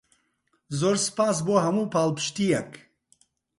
زۆر سوپاس بۆ هەموو پاڵپشتییەک.